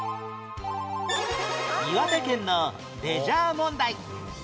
岩手県のレジャー問題